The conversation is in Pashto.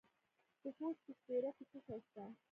د خوست په سپیره کې څه شی شته؟